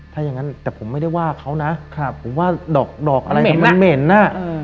ถ้าอย่างนั้นแต่ผมไม่ได้ว่าเขานะผมว่าดอกอะไรมันเหม็นอ่ะ